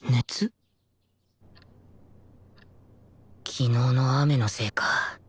昨日の雨のせいか